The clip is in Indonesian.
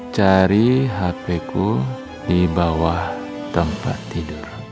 cari hp ku di bawah tempat tidur